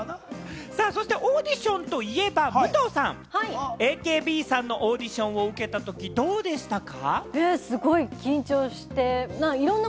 そしてオーディションといえば武藤さん、ＡＫＢさんのオーディションを受けた時、どうでしたか？